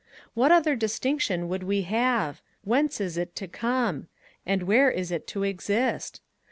What other distinction would we have? Whence is it to come? And where is it to exist?